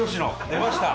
出ました。